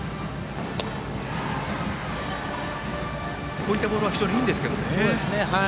こういったボールは非常にいいんですけどね。